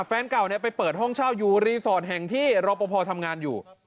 แฟนเก่าไปเปิดห้องเช่าอยู่รีสอร์ทแห่งที่รอปภทำงานอยู่